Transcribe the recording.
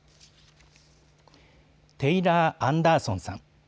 テイラー・アンダーソンさん。